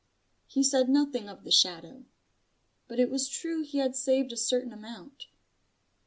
He said nothing of the Shadow: but it is true he had saved a certain amount.